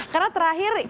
karena terakhir ibu